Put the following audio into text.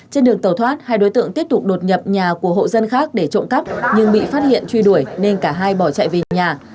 trên đường tàu thoát hai đối tượng tiếp tục đột nhập nhà của hộ dân khác để trộm cắp nhưng bị phát hiện truy đuổi nên cả hai bỏ chạy về nhà